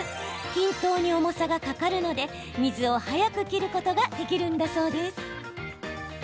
均等に重さがかかるので水を早く切ることができるんだそうです。